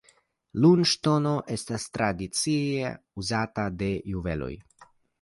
Lunŝtono estas tradicie uzata en juveloj.